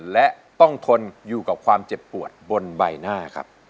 และต้องทนอยู่กับความเจ็บปวดบนใบหน้าครับ